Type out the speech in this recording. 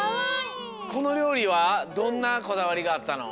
このりょうりはどんなこだわりがあったの？